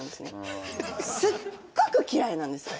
すっごく嫌いなんですよ。